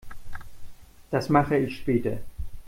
Das mache ich später.